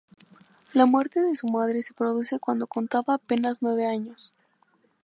La muerte de su madre se produce cuando contaba apenas nueve años.